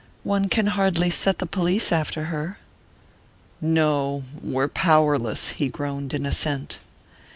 "One can hardly set the police after her !" "No; we're powerless," he groaned in assent.